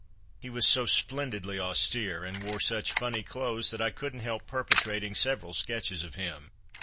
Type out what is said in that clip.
He was so splendidly austere, and wore such funny clothes, that I couldn't help perpetrating several sketches of him.